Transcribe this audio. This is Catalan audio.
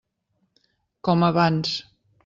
Com abans.